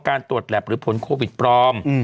การตรวจแล็บหรือผลโควิดปลอม